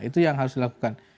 itu yang harus dilakukan